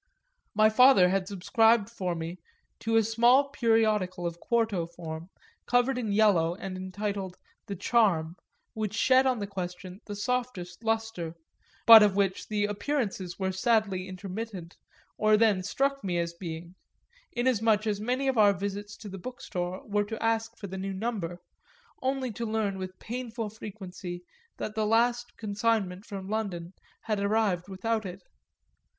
My father had subscribed for me to a small periodical of quarto form, covered in yellow and entitled The Charm, which shed on the question the softest lustre, but of which the appearances were sadly intermittent, or then struck me as being; inasmuch as many of our visits to the Bookstore were to ask for the new number only to learn with painful frequency that the last consignment from London had arrived without it.